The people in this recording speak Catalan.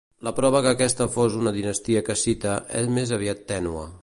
La prova que aquesta fos una dinastia cassita és més aviat tènue.